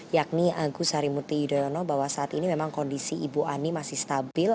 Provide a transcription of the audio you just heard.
yakni agus harimurti yudhoyono bahwa saat ini memang kondisi ibu ani masih stabil